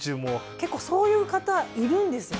結構そういう方いるんですよ